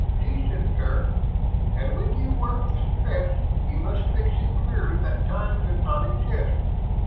Seize it, sir and when you work the Stretts you must fix it clearly that time does not exist.